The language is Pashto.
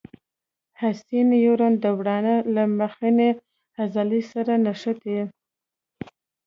حسي نیورون د ورانه له مخنۍ عضلې سره نښتي.